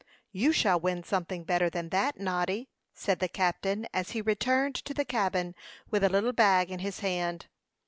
"You shall win something better than that, Noddy," said the captain, as he returned to the cabin with a little bag in his hand.